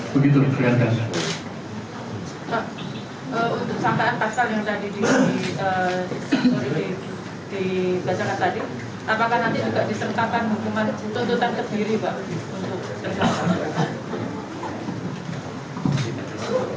begitu terima kasih